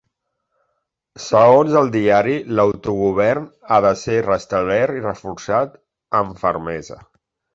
Segons el diari, l’autogovern ha de ser ‘restablert i reforçat’ amb fermesa.